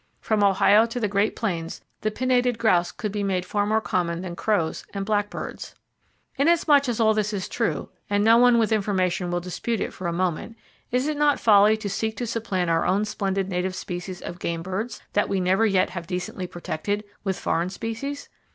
From Ohio to the great plains, the pinnated grouse could be made far more common than crows and blackbirds. Inasmuch as all this is true,—and no one with information will dispute it for a moment,—is it not folly to seek to supplant our own splendid native species of game birds (that we never yet have decently protected!) with foreign species?